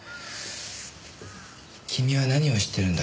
君は何を知っているんだ？